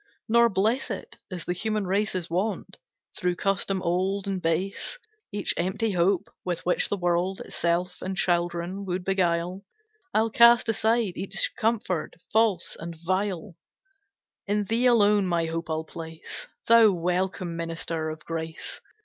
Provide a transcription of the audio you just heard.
Nor bless it, as the human race Is wont, through custom old and base: Each empty hope, with which the world Itself and children would beguile, I'll cast aside, each comfort false and vile; In thee alone my hope I'll place, Thou welcome minister of grace!